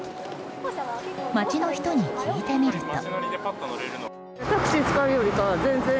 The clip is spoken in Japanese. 街の人に聞いてみると。